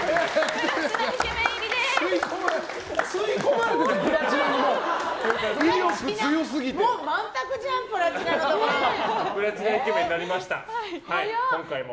プラチナイケメンになりました今回も。